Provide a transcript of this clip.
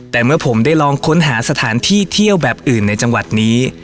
แต่เมื่อผมได้ลองค้นหาสถานที่เที่ยวแบบอื่นในจังหวัดนี้